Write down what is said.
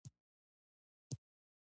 که چا لېدله داسې فکر يې کوو.